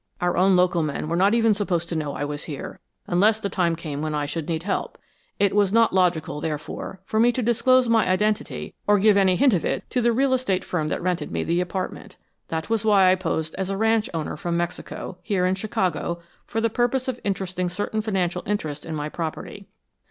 Our own local men were not even supposed to know I was here unless the time came when I should need help. It was not logical, therefore, for me to disclose my identity or give any hint of it to the real estate firm that rented me the apartment. That was why I posed as a ranch owner from Mexico, here in Chicago for the purpose of interesting certain financial interests in my property.